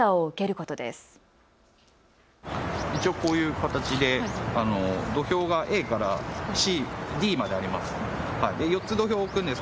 こういう形で土俵がＡからＤまであります。